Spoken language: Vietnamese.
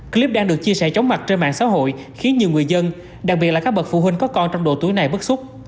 clip đang được chia sẻ chóng mặt trên mạng xã hội khiến nhiều người dân đặc biệt là các bậc phụ huynh có con trong độ tuổi này bức xúc